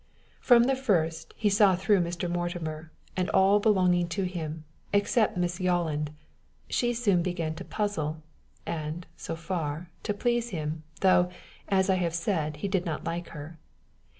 From the first, he saw through Mr. Mortimer, and all belonging to him, except Miss Yolland: she soon began to puzzle and, so far, to please him, though, as I have said, he did not like her.